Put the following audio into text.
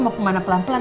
mau kemana pelan pelan